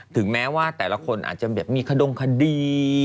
ถึงแม้ว่าแต่ละคนอาจจะแบบมีขดงคดี